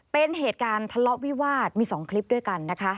เป็นเหตุการณ์ทะเลาะวิวาสมี๒คลิปด้วยกันนะคะ